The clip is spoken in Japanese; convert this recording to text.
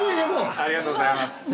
◆ありがとうございます。